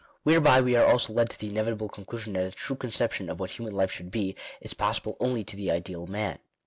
Whereby we are also led to the inevitable conclusion that a true conception of what human life should be, is possible only to the ideal man.